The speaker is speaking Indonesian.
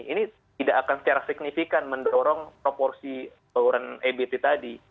ini tidak akan secara signifikan mendorong proporsi bauran ebt tadi